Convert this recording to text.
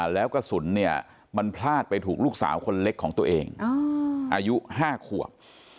แล้วกระสุนเนี่ยมันพลาดไปถูกลูกสาวคนเล็กของตัวเองอายุ๕ขวบ